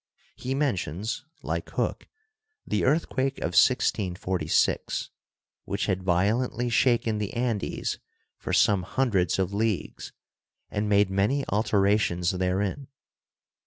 He mentions, like Hooke, the earthquake of 1646, which had violently shaken the Andes for some hundreds of leagues and made many alterations therein.